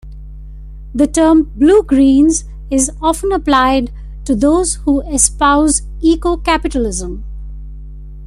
The term "Blue Greens" is often applied to those who espouse eco-capitalism.